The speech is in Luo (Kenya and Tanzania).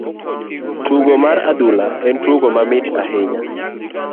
Tugo mar adhula en tugo mamit ahinya.